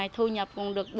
thu nhập cũng được